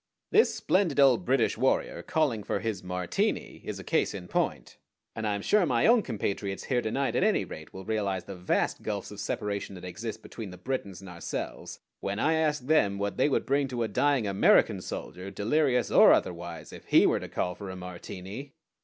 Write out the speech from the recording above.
This splendid old British warrior calling for his Martini is a case in point, and I am sure my own compatriots here to night at any rate will realize the vast gulfs of separation that exist between the Britons and ourselves when I ask them what they would bring to a dying American soldier, delirious or otherwise, if he were to call for a Martini."